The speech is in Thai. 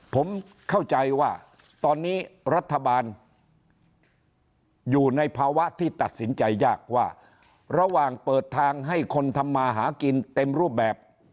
ผมเข้าใจว่าตอนนี้รัฐบาลอยู่ในภาวะที่ตัดสินใจยากว่าระหว่างเปิดทางให้คนทำมาหากินเต็มรูปแบบ